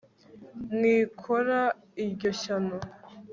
mwikora iryo shyano